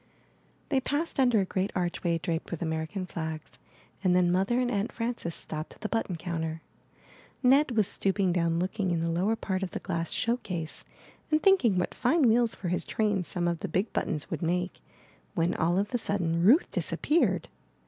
They passed under a great archway draped with American flags and then Mother and Aunt Frances stopped at the button counter. Ned was stooping down looking in the lower part of the glass show case, and thinking what fine wheels for his trains some of the big buttons would make, when all of a sudden Ruth disappeared.